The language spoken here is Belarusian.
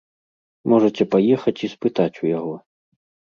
Можаце паехаць і спытаць у яго.